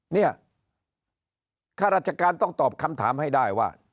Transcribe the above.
ข้าราชการต้องตอบคำถามให้ได้ว่า